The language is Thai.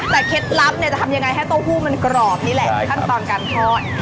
แต่เคล็ดลับเนี่ยจะทำยังไงให้เต้าหู้มันกรอบนี่แหละขั้นตอนการทอด